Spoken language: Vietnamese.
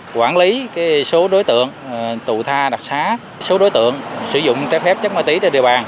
quản lý số đối tượng tù tha đặc sát số đối tượng sử dụng trái phép chất ma tí trên địa bàn